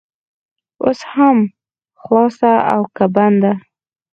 اوس هم خلاصه او که بنده؟